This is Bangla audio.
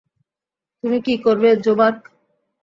তুমি কী করবে, জোবার্গ?